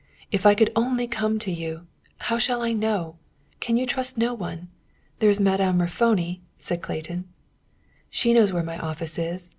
"If I could only come to you; how shall I know? Can you trust no one? There is Madame Raffoni," said Clayton. "She knows where my office is.